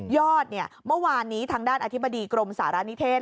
เมื่อวานนี้ทางด้านอธิบดีกรมสารณิเทศ